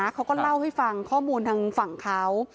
เขาก็เล่าให้ฟังข้อมูลทางฝั่งเขา